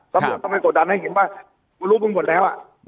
ต้องกดดันให้เห็นป่ะรู้บ้างหมดแล้วอ่ะ